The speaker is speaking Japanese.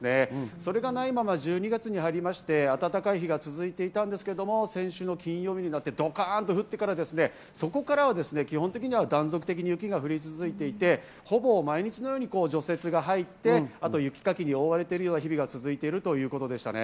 それがないまま１２月に入りまして、暖かい日が続いていたんですけれども、先週の金曜日になってドカンと降ってから、そこからは基本的には断続的に雪が降り続いていて、ほぼ毎日のように除雪が入って、あと雪かきに追われているような日々が続いているというようなことでしたね。